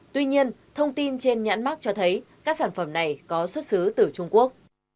tuy nhiên thông tin trên nhãn mắc cho thấy các sản phẩm này có xuất xứ từ trung quốc